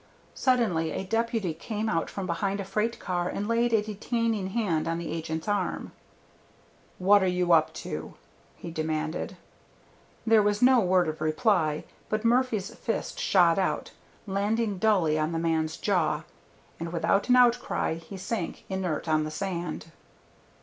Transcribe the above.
Suddenly a deputy came out from behind a freight car and laid a detaining hand on the agent's arm. "What are you up to?" he demanded. There was no word of reply, but Murphy's fist shot out, landing dully on the man's jaw, and without an outcry he sank inert on the sand.